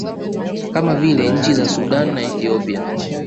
kama vile nchi za Sudan na Ethiopia